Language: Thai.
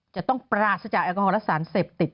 จะต้องปราศจากแอลกอฮอล์รัศราชาญเสพติด